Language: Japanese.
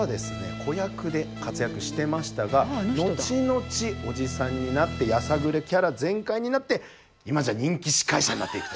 子役で活躍してましたが後々おじさんになってやさぐれキャラ全開になって今じゃ人気司会者になっていると。